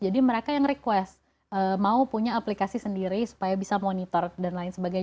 jadi mereka yang request mau punya aplikasi sendiri supaya bisa monitor dan lain sebagainya